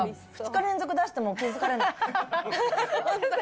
２日連続出しても気付かれない。